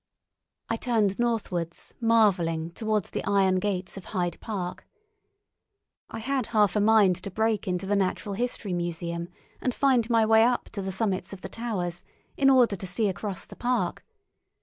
I turned northwards, marvelling, towards the iron gates of Hyde Park. I had half a mind to break into the Natural History Museum and find my way up to the summits of the towers, in order to see across the park.